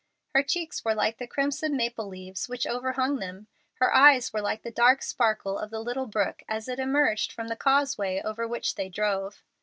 Her cheeks were like the crimson maple leaves which overhung them. Her eyes were like the dark sparkle of the little brook as it emerged from the causeway over which they drove.